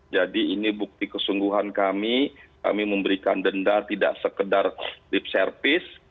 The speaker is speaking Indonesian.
jadi ini bukti kesungguhan kami kami memberikan denda tidak sekedar lip service